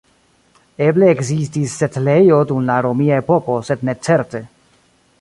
Eble ekzistis setlejo dum la romia epoko sed ne certe.